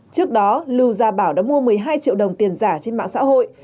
trước đó lưu gia bảo đã mua một mươi hai triệu đồng tiền giả trên mạng xã hội